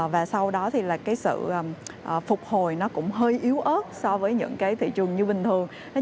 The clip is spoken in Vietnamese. và sau đó thì là cái sự phục hồi nó cũng hơi yếu ớt so với những cái thị trường như bình thường